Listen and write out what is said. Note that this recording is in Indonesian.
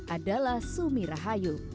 adalah sumi rahayu